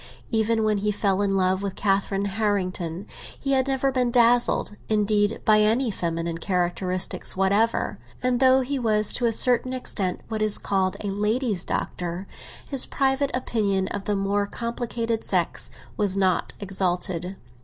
Save when he fell in love with Catherine Harrington, he had never been dazzled, indeed, by any feminine characteristics whatever; and though he was to a certain extent what is called a ladies' doctor, his private opinion of the more complicated sex was not exalted.